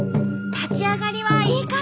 立ち上がりはいい感じ。